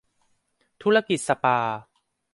ธุรกิจสปา